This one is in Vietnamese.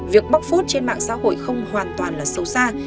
việc bóc phút trên mạng xã hội không hoàn toàn là sâu xa